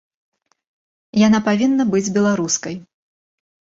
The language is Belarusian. Яна павінна быць беларускай.